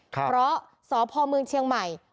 เพราะสพเมืองเชียงใหม่